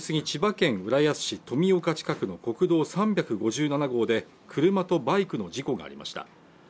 千葉県浦安市富岡近くの国道３５７号で車とバイクの事故がありました